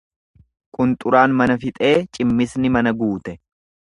Qunxuraan mana fixee cimmisni mana guute.